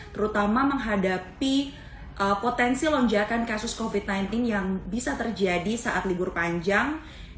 terutama menghadapi potensi lonjakan kasus covid sembilan belas yang bisa terjadi saat libur panjang